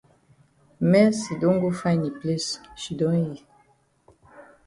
Mercy don go find yi place shidon yi.